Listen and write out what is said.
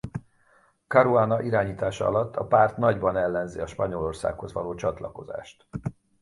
Caruana irányítása alatt a párt nagyban ellenzi a Spanyolországhoz való csatlakozást.